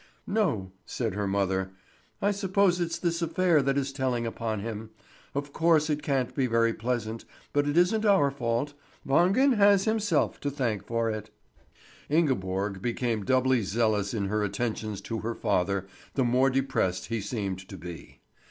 "No," said her mother; "I suppose it's this affair that is telling upon him. Of course it can't be very pleasant, but it isn't our fault. Wangen has himself to thank for it." Ingeborg became doubly zealous in her attentions to her father the more depressed he seemed to be.